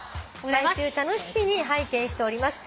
毎週楽しみに拝見しております」